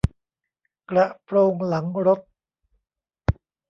กระโปรงหลังรถ